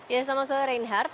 ya saya mas soe reinhardt